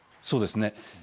そうですね